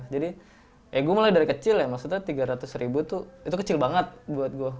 jadi ya gue mulai dari kecil ya maksudnya tiga ratus ribu itu kecil banget buat gue